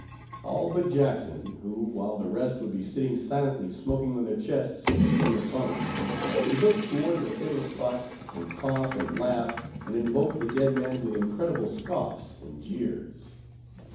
All but Jackson: who, while the rest would be sitting silently smoking on their chests, or in their bunks, would look toward the fatal spot, and cough, and laugh, and invoke the dead man with incredible scoffs and jeers.